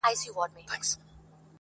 o فکرونه ورو ورو پراخېږي ډېر,